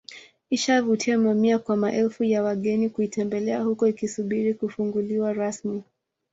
Imeshavutia mamia kwa maelfu ya wageni kuitembelea huku ikisubiri kufunguliwa rasmi